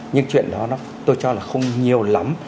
nhưng chuyện đó tôi cho là không nhiều lắm